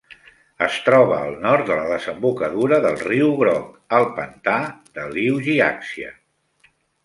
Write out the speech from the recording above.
Es troba al nord de la desembocadura del riu Groc al pantà de Liujiaxia.